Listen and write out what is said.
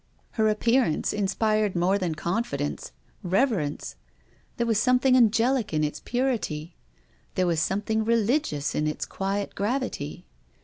Her appearance inspired more than confidence — reverence ; there was something angelic in its purity. There was something re ligious in its quiet gravity.